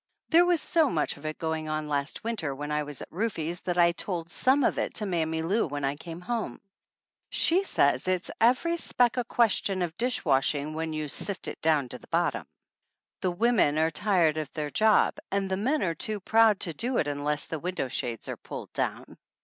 There was so much of it going on last winter when I was at Rufe's that I told some of it to Mammy Lou when I came home. She says it's every speck a question of dish washing when you sift it down to the bottom. The women are tired of their job and the men are too proud to do it unless the window shades are pulled down.